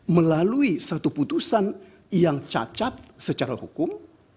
melalui satu putusan yang cacat secara hukum